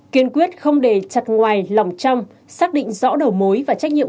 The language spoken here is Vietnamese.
kiên quyết không để chặt ngoài lòng trong xác định rõ đầu mối và trách nhiệm